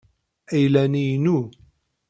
Ayla-nni inu.